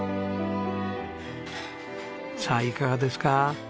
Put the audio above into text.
さあいかがですか？